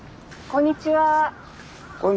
・こんにちは。